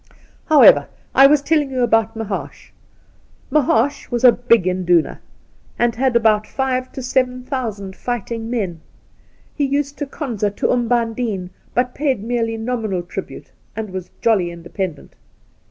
'However, I was telling you about Mahaash.: The Outspan 15 Mahaash was a big induna, and had about five to seven thousand fighting men. He used to konza to Umbandine, but paid merely nominal tribute, and was jolly independent.